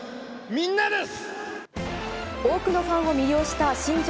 みんなです。